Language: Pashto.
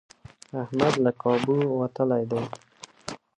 احمد له کابو وتلی دی.